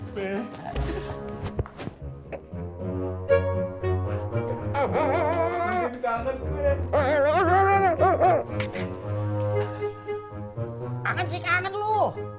kangen sih kangen lu